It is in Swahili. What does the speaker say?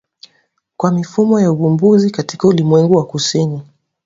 Kwa mifumo ya uvumbuzi katika Ulimwengu wa Kusini.